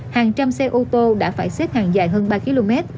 hàng trăm xe ô tô đã phải xếp hàng dài hơn ba km